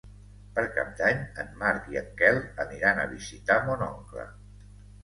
Per Cap d'Any en Marc i en Quel aniran a visitar mon oncle.